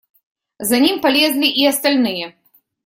За ним полезли и остальные.